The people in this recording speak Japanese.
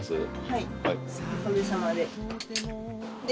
はい。